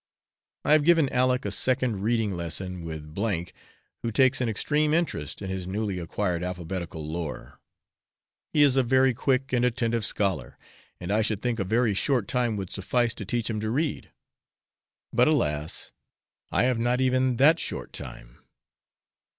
I have given Aleck a second reading lesson with S , who takes an extreme interest in his newly acquired alphabetical lore. He is a very quick and attentive scholar, and I should think a very short time would suffice to teach him to read; but, alas! I have not even that short time.